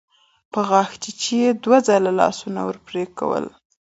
په غاښچيچي يې دوه ځله لاسونه وپړکول.